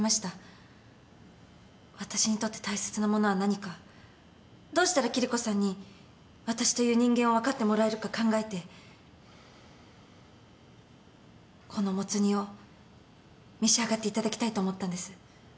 私にとって大切なものは何かどうしたらキリコさんに私という人間を分かってもらえるか考えてこのもつ煮を召し上がっていただきたいと思ったんです。